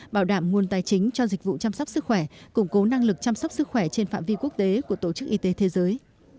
bảo đảm nguồn tài chính cho dịch vụ chăm sóc sức khỏe củng cố năng lực chăm sóc sức khỏe trên phạm vi quốc tế của tổ chức y tế thế giới